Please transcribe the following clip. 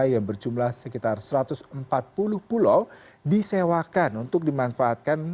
yang berjumlah sekitar satu ratus empat puluh pulau disewakan untuk dimanfaatkan